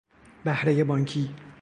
بهرهی بانکی